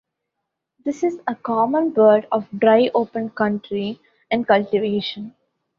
This is a common bird of dry open country and cultivation.